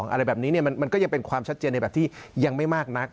อะไรแบบนี้มันก็ยังเป็นความชัดเจนในแบบที่ยังไม่มากนัก